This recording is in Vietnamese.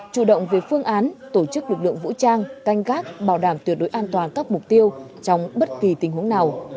chủ động về phương án tổ chức lực lượng vũ trang canh gác bảo đảm tuyệt đối an toàn các mục tiêu trong bất kỳ tình huống nào